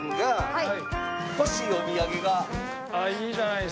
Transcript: はい。